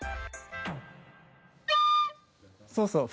そうそう。